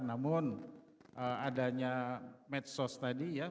namun adanya medsos tadi ya